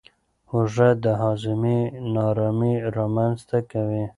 هوږه د هاضمې نارامي رامنځته کوي.